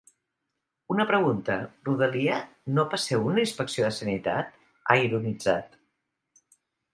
“Una pregunta, rodalia, no passeu una inspecció de sanitat?”, ha ironitzat.